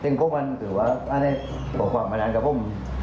เตรียมพวกมันถือว่าอันนี้ก็กว่ามานานกับพวกมัน